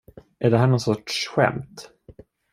Är det här någon sorts skämt?